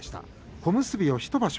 小結を１場所